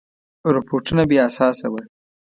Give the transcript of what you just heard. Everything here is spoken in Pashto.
رپوټونه بې اساسه وه.